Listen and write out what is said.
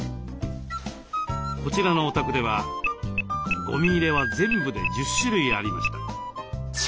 こちらのお宅ではゴミ入れは全部で１０種類ありました。